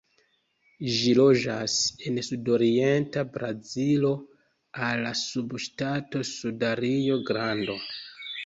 Ĝi loĝas en sudorienta Brazilo al la subŝtato Suda Rio-Grando.